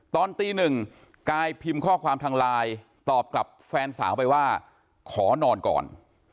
ตอนตีหนึ่งกายพิมพ์ข้อความทางไลน์ตอบกับแฟนสาวไปว่าขอนอนก่อน